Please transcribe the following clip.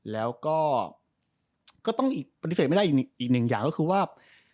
แล้วก็ก็ต้องปฏิเสธไม่ได้อีกหนึ่งอย่างก็คือว่า